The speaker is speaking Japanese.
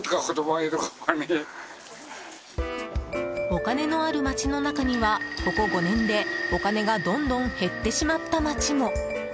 お金のあるまちの中にはここ５年でお金がどんどん減ってしまった町も。